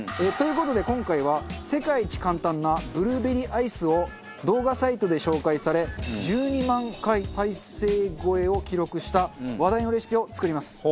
という事で今回は世界一簡単なブルーベリーアイスを動画サイトで紹介され１２万回再生超えを記録した話題のレシピを作ります。